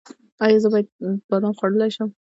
ایا زه بادام خوړلی شم؟